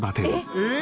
えっ！？